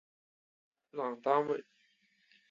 朗丹韦。